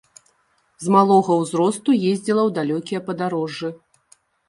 З малога ўзросту ездзіла ў далёкія падарожжы.